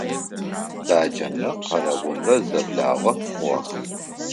Баджэмрэ къэрэумрэ зэблагъэ хъугъэх.